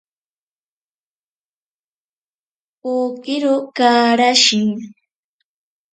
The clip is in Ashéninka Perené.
Pokero karashi.